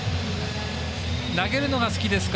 投げるのが好きですか？